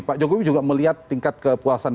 pak jokowi juga melihat tingkat kepuasan